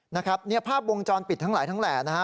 นะครับเนี่ยภาพวงจรปิดทั้งหลายทั้งแหล่นะฮะ